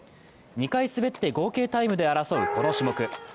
２回滑って合計タイムで争うこの種目。